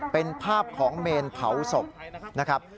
เป็นภาพของเมนเผาศพนะครับ